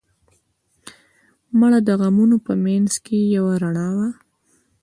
مړه د غمونو په منځ کې یو رڼا وه